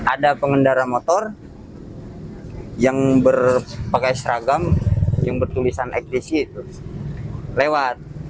terus ada pengendara motor yang berpakaian seragam yang bertulisan egc lewat